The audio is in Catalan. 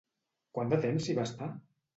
Quant de temps s'hi va estar?